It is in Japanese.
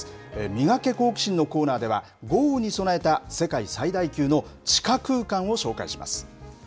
ミガケ、好奇心！のコーナーでは、豪雨に備えた世界最大級の地下空間を紹介します。